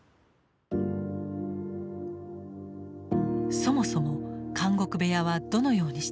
そもそも「監獄部屋」はどのようにして生まれたのか？